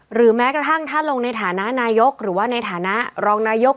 หรือแม้กระทั่งถ้าลงในฐานะนายกหรือว่าในฐานะรองนายก